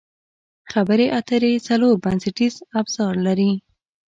خبرې اترې څلور بنسټیز ابزار لري.